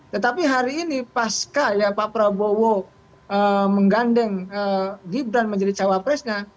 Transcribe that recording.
tetapi hari ini paska ya pak prabowo menggandeng gibran menjadi cawe presidennya